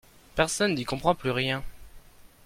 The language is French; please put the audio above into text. Personne n’y comprend plus rien.